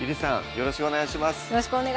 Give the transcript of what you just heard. よろしくお願いします